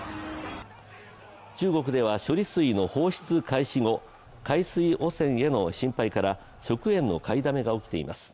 中国では処理水の放出開始後、海水汚染への心配から食塩の買いだめが起きています。